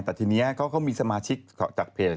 แต่ทีนี้เขาก็มีสมาชิกจากเพจ